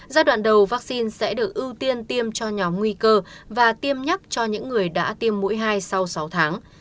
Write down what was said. giai đoạn đầu vaccine sẽ được ưu tiên tiêm cho nhóm nguy cơ và tiêm nhắc cho những người đã tiêm mũi hai sau sáu tháng